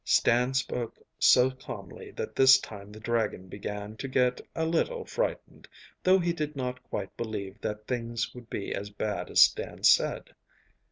Stan spoke so calmly that this time the dragon began to get a little frightened, though he did not quite believe that things would be as bad as Stan said.